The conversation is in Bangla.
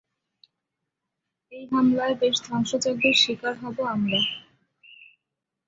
এই হামলায় বেশ ধ্বংসযজ্ঞের শিকার হবো আমরা!